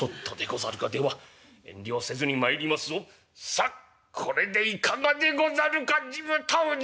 さあこれでいかがでござるか地武太氏。